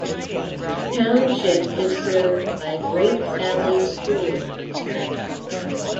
The township is served by Great Valley School District.